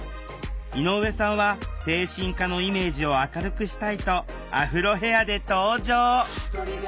井上さんは精神科のイメージを明るくしたいとアフロヘアで登場！